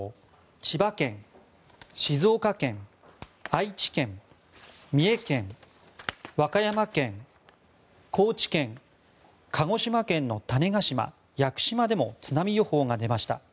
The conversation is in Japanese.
千葉県、静岡県、愛知県三重県、和歌山県、高知県鹿児島県の種子島・屋久島でも津波予報が出ました。